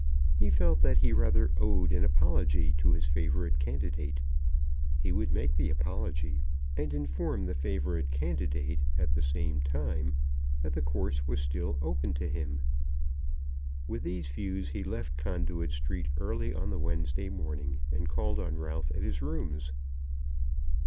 He felt that he rather owed an apology to his favourite candidate. He would make the apology, and inform the favourite candidate, at the same time, that the course was still open to him. With these views he left Conduit Street early on the Wednesday morning, and called on Ralph at his rooms.